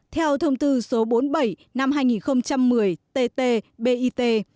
theo thông tư số bốn mươi bảy năm hai nghìn một mươi ttbit